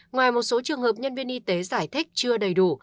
ngoài một số trường hợp nhân viên y tế giải thích chưa đầy đủ